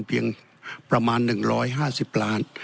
เพียงประมาณ๑๕๐ล้าน